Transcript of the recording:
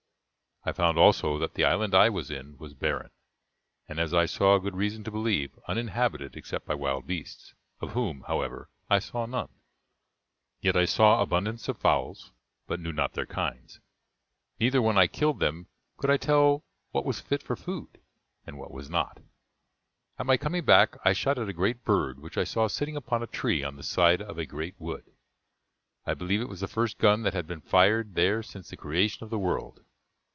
I found also that the island I was in was barren, and, as I saw good reason to believe, uninhabited except by wild beasts, of whom, however, I saw none. Yet I saw abundance of fowls, but knew not their kinds; neither when I killed them could I tell what was fit for food, and what not. At my coming back, I shot at a great bird which I saw sitting upon a tree on the side of a great wood. I believe it was the first gun that had been fired there since the creation of the world.